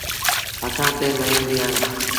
هٿآن ٿي ميݩدي هڻ۔